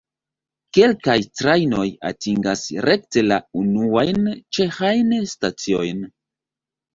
Kelkaj trajnoj atingas rekte la unuajn ĉeĥajn staciojn.